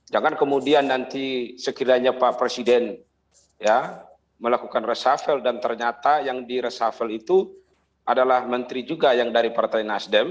jangan kemudian nanti sekiranya pak presiden melakukan reshuffle dan ternyata yang di resafel itu adalah menteri juga yang dari partai nasdem